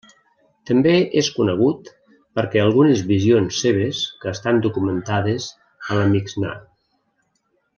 També és conegut perquè algunes visions seves que estan documentades a la Mixnà.